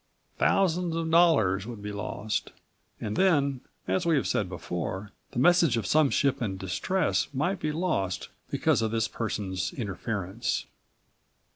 Thousands of dollars would be lost. And then, as we have36 said before, the message of some ship in distress might be lost because of this person's interference.